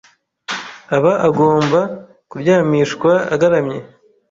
aba agomba kuryamishwa agaramye.